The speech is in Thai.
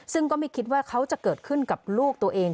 ซึ่งก็ไม่คิดว่าเขาจะเกิดขึ้นกับลูกตัวเอง